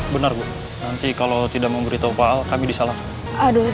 benar bu nanti kalau tidak memberitahu pak al kami disalahkan